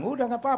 sudah gak apa apa